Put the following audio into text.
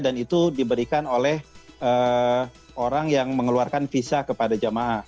dan itu diberikan oleh orang yang mengeluarkan visa kepada jamaah